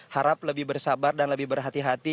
harap lebih bersabar dan lebih berhati hati